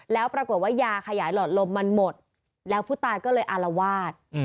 แล้วปรากฏว่ายาขยายหลอดลมมันหมดแล้วผู้ตายก็เลยอารวาส